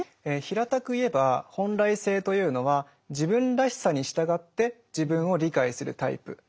平たく言えば「本来性」というのは自分らしさに従って自分を理解するタイプ。